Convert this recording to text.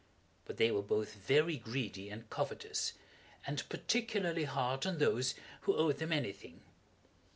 But they were both very greedy and covetous, and particularly hard on those who owed them anything.